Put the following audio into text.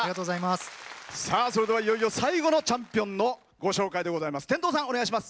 それでは、いよいよ最後のチャンピオンのご紹介です。